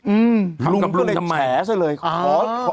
อืมฝังกับลุงทำไมลุงก็เลยแฉะซะเลย